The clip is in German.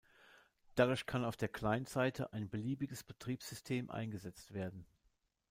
Dadurch kann auf der Client-Seite ein beliebiges Betriebssystem eingesetzt werden.